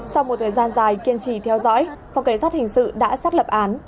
sau một thời gian dài kiên trì theo dõi phòng cảnh sát hình sự đã xác lập án